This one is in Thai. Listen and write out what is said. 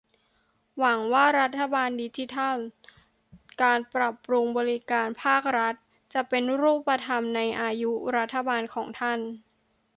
หวังว่ารัฐบาลดิจิทัล การปรับปรุงบริการภาครัฐ จะเป็นรูปธรรมในอายุรัฐบาลของท่าน